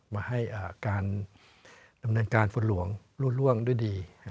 มาให้การดำเนินการฝนหลวงรูดร่วงด้วยดี